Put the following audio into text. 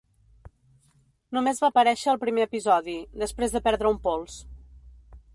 Només va aparèixer al primer episodi, després de perdre un pols.